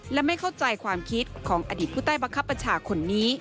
และไม่เข้าใจความคิดของอดีตผู้ใต้บังคับบัญชาคนนี้